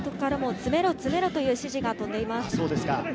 詰めろ！という指示が飛んでいます。